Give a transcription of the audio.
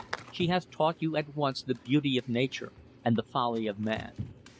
She hath taught you at once the beauty of nature and the folly of man.